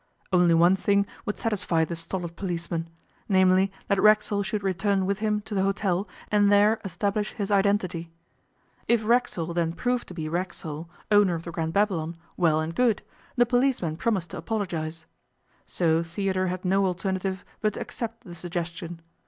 Only one thing would satisfy the stolid policeman namely, that Racksole should return with him to the hotel and there establish his identity. If Racksole then proved to be Racksole, owner of the Grand Babylon, well and good the policeman promised to apologize. So Theodore had no alternative but to accept the suggestion.